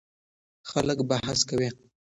خلک بحث کوي.